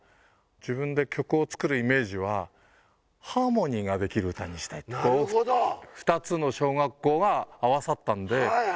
自分で曲を作るイメージはハーモニーができる歌にしたい２つの小学校が合わさったんではい